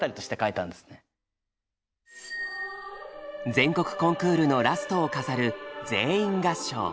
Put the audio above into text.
全国コンクールのラストを飾る全員合唱。